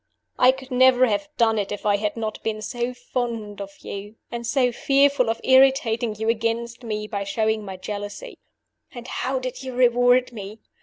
I could never have done it if I had not been so fond of you, and so fearful of irritating you against me by showing my jealousy. And how did you reward me?